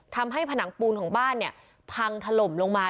ทำให้ผนังปูนของบ้านเนี่ยพังถล่มลงมา